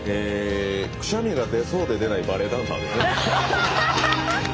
くしゃみが出そうで出ないバレエダンサー。